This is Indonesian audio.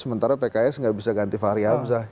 sementara pks nggak bisa ganti fahri hamzah